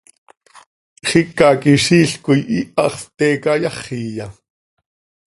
¿Xicaquiziil coi iihax pte cayáxiya?